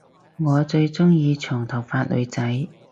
我最鐘意長頭髮女仔